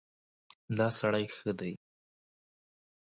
دا سړی ښه دی.